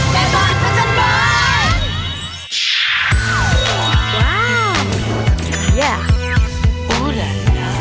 แม่บ้านพระจันทร์บ้าน